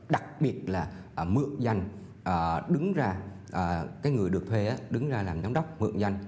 đặc biệt là mượn danh đứng ra cái người được thuê đứng ra làm giám đốc mượn danh